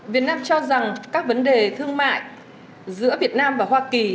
việt nam cho rằng các vấn đề thương mại giữa việt nam và hoa kỳ